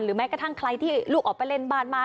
แม้กระทั่งใครที่ลูกออกไปเล่นบ้านมา